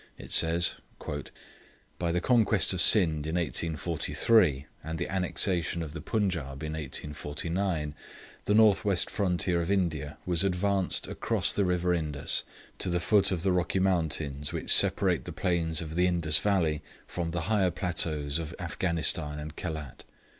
It says: 'By the conquest of Scinde in 1843, and the annexation of the Punjaub in 1849, the North West frontier of India was advanced across the river Indus to the foot of the rocky mountains which separate the plains of the Indus valley from the higher plateaus of Afghanistan and Khelat.